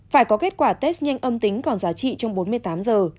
phải có kết quả test nhanh âm tính còn giá trị trong bốn mươi tám giờ